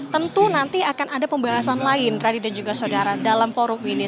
tentu nanti akan ada pembahasan lain radi dan juga saudara dalam forum ini